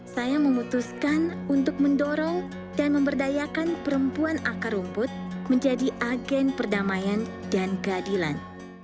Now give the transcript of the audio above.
saya memutuskan untuk mendorong dan memberdayakan perempuan akar rumput menjadi agen perdamaian dan keadilan